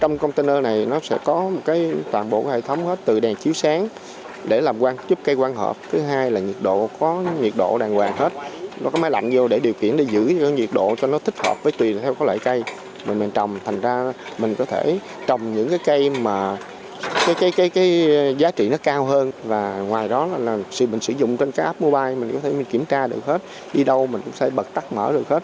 giá trị nó cao hơn và ngoài đó là sử dụng trên các app mobile mình có thể kiểm tra được hết đi đâu mình cũng sẽ bật tắt mở được hết